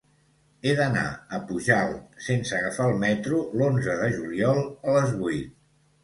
He d'anar a Pujalt sense agafar el metro l'onze de juliol a les vuit.